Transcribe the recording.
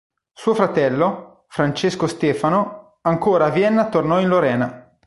Suo fratello, Francesco Stefano, ancora a Vienna tornò in Lorena.